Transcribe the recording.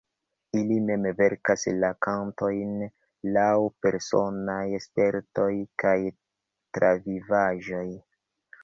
Ili mem verkas la kantojn, laŭ personaj spertoj kaj travivaĵoj.